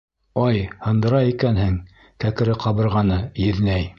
Ай, һындыра икәнһең кәкре ҡабырғаны, еҙнәй!